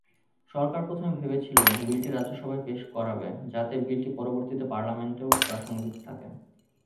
সরকার প্রথমে ভেবেছিল, বিলটি রাজ্যসভায় পেশ করাবে, যাতে বিলটি পরবর্তী পার্লামেন্টেও প্রাসঙ্গিক থাকে।